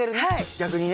逆にね。